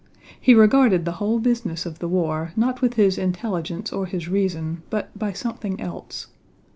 He regarded the whole business of the war not with his intelligence or his reason but by something else.